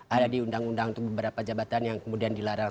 ada di undang undang untuk beberapa jabatan yang kemudian dilarang